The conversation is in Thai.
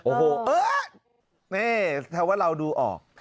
โอ้โหเนี่ยถ้าว่าเราดูออก